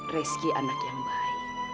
rizky anak yang baik